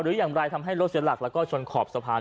หรืออย่างไรทำให้รถเสียหลักแล้วก็ชนขอบสะพาน